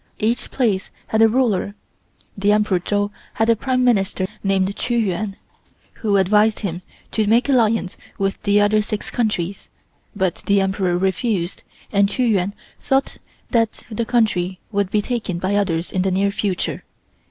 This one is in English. Each place had a ruler. The Emperor Chou had a Prime Minister named Chi Yuan, who advised him to make alliance with the other six countries, but the Emperor refused, and Chi Yuan thought that the country would be taken by others in the near future.